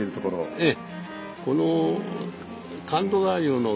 ええ。